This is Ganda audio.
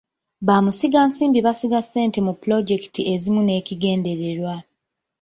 Bamusigansimbi basiga ssente mu pulojekiti ezimu n'ekigendererwa.